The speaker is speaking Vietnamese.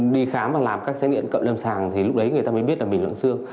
đi khám và làm các xét nghiệm cặp đâm sàng thì lúc đấy người ta mới biết là mình loãng xương